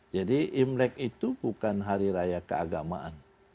jadi imlek itu bukan hari raya keagamaan